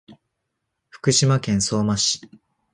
福島県相馬市